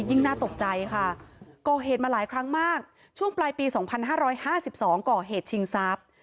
น่าตกใจค่ะก่อเหตุมาหลายครั้งมากช่วงปลายปี๒๕๕๒ก่อเหตุชิงทรัพย์